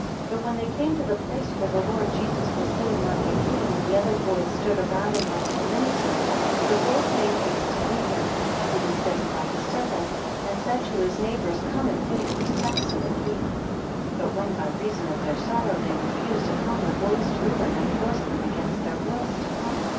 7 But when they came to the place where the Lord Jesus, was sitting like a king, and the other boys stood around him like his ministers, the boys made haste to meet him, who was bitten by the serpent, and said to his neighbours, Come and pay your respects to the king; 8 But when, by reason of their sorrow, they refused to come, the boys drew them, and forced them against their wills to come.